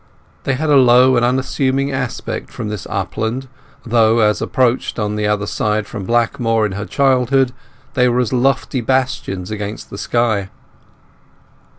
They had a low and unassuming aspect from this upland, though as approached on the other side from Blackmoor in her childhood they were as lofty bastions against the sky.